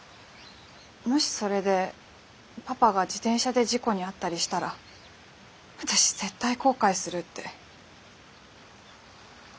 もしそれでパパが自転車で事故に遭ったりしたら私絶対後悔するって。